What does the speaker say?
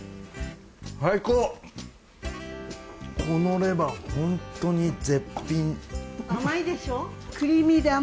このレバーホントに絶品！